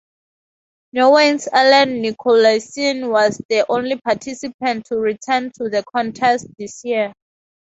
Norway's Ellen Nikolaysen was the only participant to return to the contest this year.